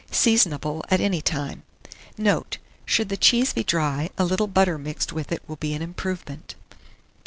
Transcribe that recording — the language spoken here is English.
Seasonable at any time. Note. Should the cheese be dry, a little butter mixed with it will be an improvement.